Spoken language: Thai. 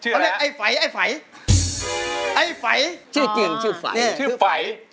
กล้องแล้วไอ้ไฝไอไฝ